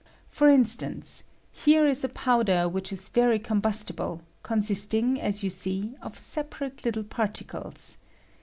For instance, here is a powder which is very combustible, consist ing, as you see, of separate little particles.